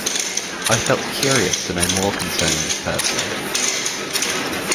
I felt curious to know more concerning this person.